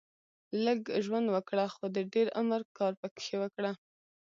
لږ ژوند وګړهٔ خو د دېر عمر کار پکښي وکړهٔ